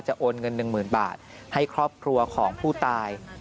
โอนเงิน๑๐๐๐บาทให้ครอบครัวของผู้ตาย